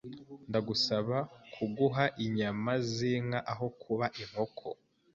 Ndagusaba kuguha inyama zinka aho kuba inkoko.